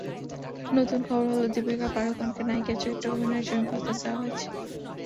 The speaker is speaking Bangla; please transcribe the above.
নতুন খবর হলো, দীপিকা পাড়ুকোনকে নায়িকা চরিত্রে অভিনয়ের জন্য প্রস্তাব দেওয়া হয়েছে।